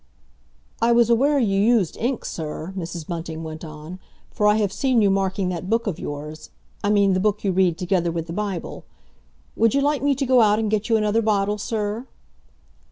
"I was aware you used ink, sir," Mrs. Bunting went on, "for I have seen you marking that book of yours—I mean the book you read together with the Bible. Would you like me to go out and get you another bottle, sir?"